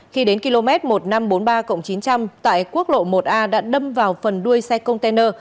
khi đến km một nghìn năm trăm bốn mươi ba chín trăm linh tại quốc lộ một a đã đâm vào phần đuôi xe container